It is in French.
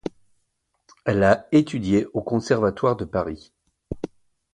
Elle a étudié au Conservatoire de Paris.